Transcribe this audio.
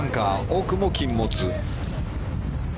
奥も禁物。